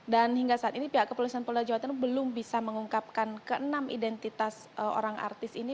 dan hingga saat ini pihak keperluan polda jawa timur belum bisa mengungkapkan ke enam identitas orang artis ini